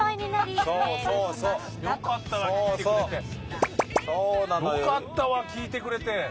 良かったわ聞いてくれて。